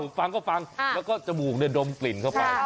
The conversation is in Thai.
ฟังก็ฟังแล้วก็จมูกดมกลิ่นเข้าไป